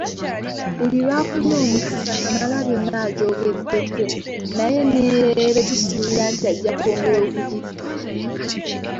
Buli lwafunye omukisa Kamalabyonna ajogeddeko naye ne leero tusuubira nti ajja kwongera okugittaanya.